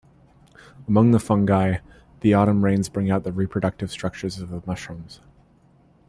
Among the fungi, the autumn rains bring out the reproductive structures of the mushrooms.